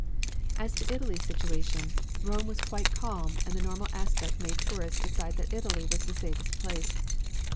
As to Italy's situation, Rome was quite calm and the normal aspect made tourists decide that Italy was the safest place.